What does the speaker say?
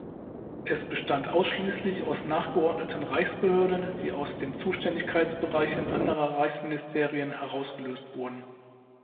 Es bestand ausschließlich aus nachgeordneten Reichsbehörden, die aus den Zuständigkeitsbereichen anderer Reichsministerien herausgelöst wurden.